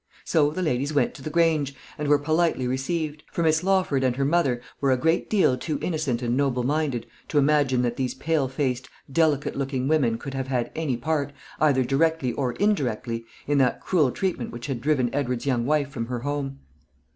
So the ladies went to the Grange, and were politely received; for Miss Lawford and her mother were a great deal too innocent and noble minded to imagine that these pale faced, delicate looking women could have had any part, either directly or indirectly, in that cruel treatment which had driven Edward's young wife from her home.